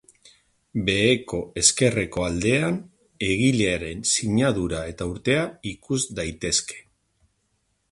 Beheko ezkerreko aldean egilearen sinadura eta urtea ikus daitezke.